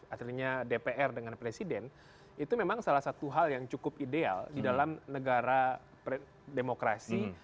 akhirnya dpr dengan presiden itu memang salah satu hal yang cukup ideal di dalam negara demokrasi